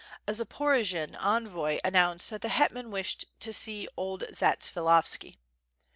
A Zaporojian envoy announced that the hetman wis hed to see old Zats vilikhovski.